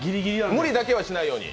無理だけはしないように。